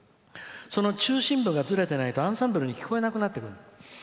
その中心部がズレてないとアンサンブルに聞こえなくなる。